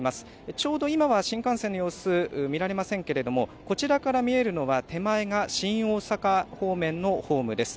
ちょうど今は新幹線の様子、見られませんけれどもこちらから見えるのは手前が新大阪方面のホームです。